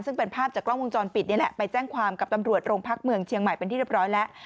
ซึ่งเป็นภาพจากกล้องวงจรปิดนี่แหละไปแจ้งความกับตำรวจโรงพักเมืองเชียงใหม่เป็นที่เรียบร้อยแล้ว